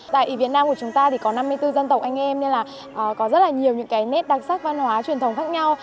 tại việt nam của chúng ta thì có năm mươi bốn dân tộc anh em nên là có rất là nhiều những cái nét đặc sắc văn hóa truyền thống khác nhau